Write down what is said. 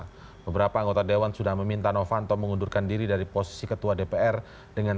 karena beberapa anggota dewan sudah meminta novanto mengundurkan diri dari posisi ketua dpr dengan